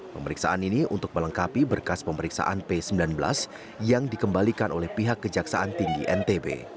pemeriksaan ini untuk melengkapi berkas pemeriksaan p sembilan belas yang dikembalikan oleh pihak kejaksaan tinggi ntb